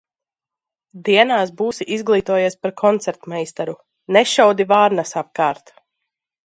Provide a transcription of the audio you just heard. Dienās būsi izglītojies par koncertmeistaru. Nešaudi vārnas apkārt!